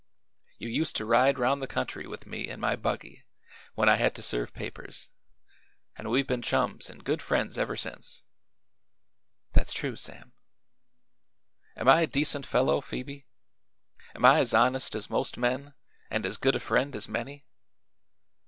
You used to ride 'round the country with me in my buggy, when I had to serve papers, and we've been chums an' good friends ever since." "That's true, Sam." "Am I a decent fellow, Phoebe? Am I as honest as most men, and as good a friend as many?"